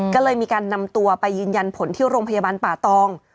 ก็เลยมีการนำตัวไปยืนยันผลที่โรงพยาบาลป่าตอง